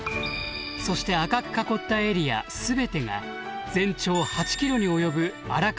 そして赤く囲ったエリア全てが全長８キロに及ぶ荒川第一調節池。